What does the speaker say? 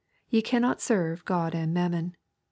Ye cannot serve God and mammon.